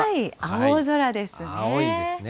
青空ですね。